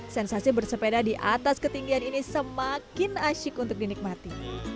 sensasi bersepeda di atas ketinggian ini semakin asyik untuk dinikmati